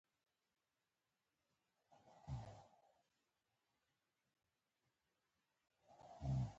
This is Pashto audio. د پرانیستو اقتصادي او سیاسي بنسټونو مخه ډپ کړې وه.